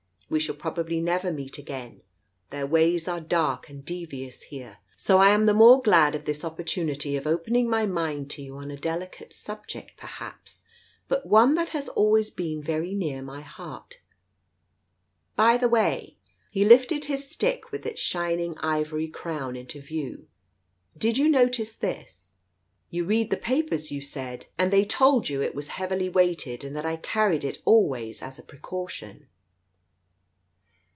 We shall probably never meet again— their ways are dark and devious here, so I am the more glad of this oppor tunity of opening my mind to you on a delicate subject, perhaps, but one that has always been very near my heart. By the way "—he lifted his stick with its shining ivory crown into view. "Did you notice this? You read the papers, you said, and they told you it was heavily weighted and that I carried it always as a pre caution.